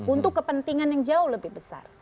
untuk kepentingan yang jauh lebih besar